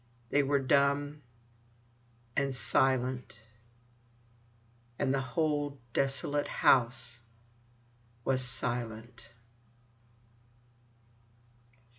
They were dumb and silent. And the whole desolate house was silent.